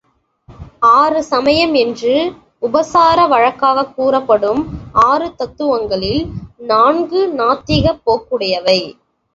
ஆறு சமயம் என்று உபசார வழக்காகக் கூறப்படும் ஆறு தத்துவங்களில் நான்கு, நாத்திகப் போக்குடையவை.